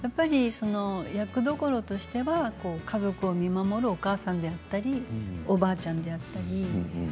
役どころとしては家族を見守るお母さんだったりおばちゃんだったり。